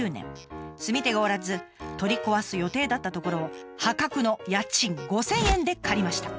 住み手がおらず取り壊す予定だったところを破格の家賃５，０００円で借りました。